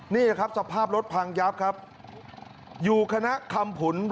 นี่นะครับสภาพรถพังยับครับอยู่คณะคำภุร่วมมิตร